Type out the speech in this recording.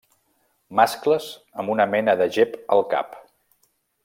Mascles amb una mena de gep al cap.